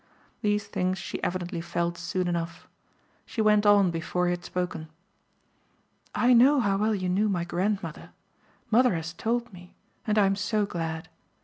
These things she evidently felt soon enough; she went on before he had spoken. "I know how well you knew my grandmother. Mother has told me and I'm so glad.